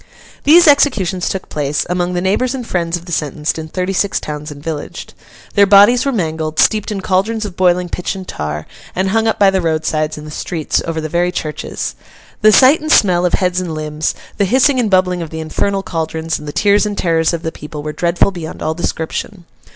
These executions took place, among the neighbours and friends of the sentenced, in thirty six towns and villages. Their bodies were mangled, steeped in caldrons of boiling pitch and tar, and hung up by the roadsides, in the streets, over the very churches. The sight and smell of heads and limbs, the hissing and bubbling of the infernal caldrons, and the tears and terrors of the people, were dreadful beyond all description.